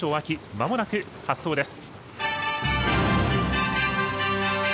まもなく発走です。